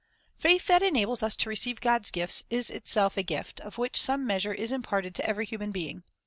Faith that enables us to receive God's gifts is itself a gift, of which some measure is imparted to every human being.